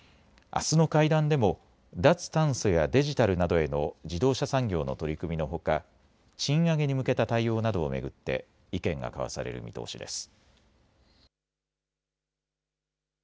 あすの会談でも脱炭素やデジタルなどへの自動車産業の取り組みのほか賃上げに向けた対応などを巡って意見が交わされる見通しです。